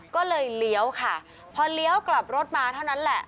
ก็เลยเลี้ยวค่ะพอเลี้ยวกลับรถมาเท่านั้นแหละ